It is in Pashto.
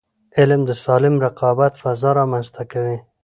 علم د سالم رقابت فضا رامنځته کوي.